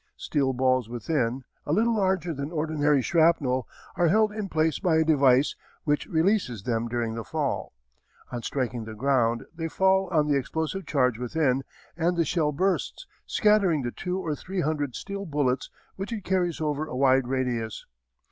Steel balls within, a little larger than ordinary shrapnel, are held in place by a device which releases them during the fall. On striking the ground they fall on the explosive charge within and the shell bursts, scattering the two or three hundred steel bullets which it carries over a wide radius.